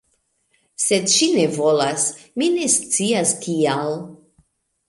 Sed ŝi ne volas; mi ne scias kial